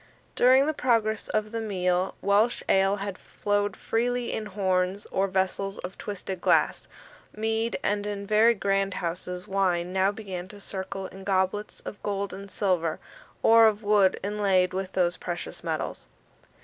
During the progress of the meal, Welsh ale had flowed freely in horns or vessels of twisted glass. Mead and, in very grand houses, wine now began to circle in goblets of gold and silver, or of wood inlaid with those precious metals.